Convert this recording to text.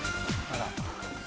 あら？